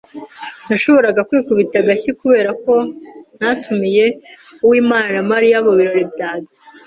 Nashoboraga kwikubita agashyi kubera ko ntatumiye Uwimana na Mariya mu birori byanjye.